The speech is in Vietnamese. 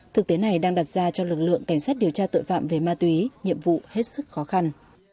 thực tế này đang đặt ra cho lực lượng cảnh sát điều tra tội phạm về ma túy nhiệm vụ hết sức khó khăn